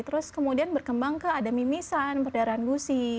terus kemudian berkembang ke ada mimisan perdarahan gusi